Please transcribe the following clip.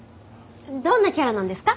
どんなキャラなんですか？